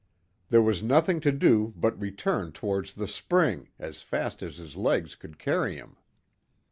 There was nothing to do but return towards the spring, as fast as his legs could carry him.